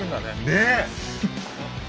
ねえ！